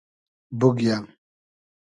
بوگیۂ